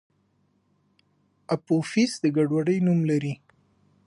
اپوفیس د ګډوډۍ نوم لري.